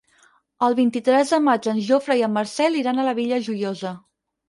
El vint-i-tres de maig en Jofre i en Marcel iran a la Vila Joiosa.